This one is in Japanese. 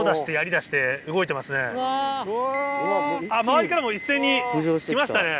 周りからも一斉に来ましたね。